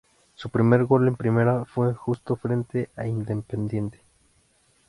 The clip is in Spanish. Su primer gol en Primera fue justo frente a Independiente.